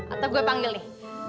atau gue panggil nih